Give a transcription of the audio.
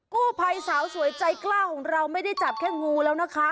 กู้ภัยสาวสวยใจกล้าของเราไม่ได้จับแค่งูแล้วนะคะ